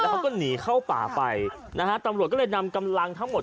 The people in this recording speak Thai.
เขาก็หนีเข้าป่าไปนะฮะตำรวจก็เลยนำกำลังทั้งหมด